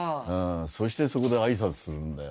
そしてそこで挨拶するんだよ。